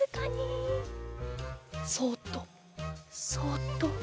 そっとそっと。